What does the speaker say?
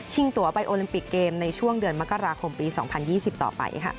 ตัวไปโอลิมปิกเกมในช่วงเดือนมกราคมปี๒๐๒๐ต่อไป